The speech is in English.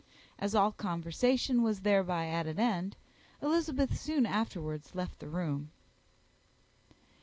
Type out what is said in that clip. As all conversation was thereby at an end, Elizabeth soon afterwards left the room.